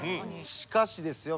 しかしですよ